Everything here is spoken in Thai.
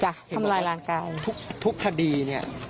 ทำร้ายร่างกายทุกคดีเนี่ย